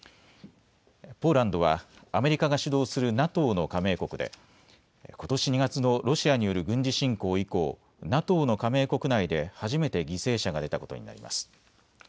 ポーランドはアメリカが主導するＮＡＴＯの加盟国でことし２月のロシアによる軍事侵攻以降、ＮＡＴＯの加盟国内で初めて犠牲者が出たことになります。